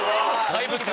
怪物。